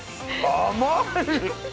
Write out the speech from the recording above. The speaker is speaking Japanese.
甘い。